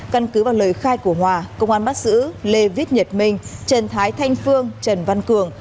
căn cứ vào lời khai của hòa công an bắt giữ lê viết nhật minh trần thái thanh phương trần văn cường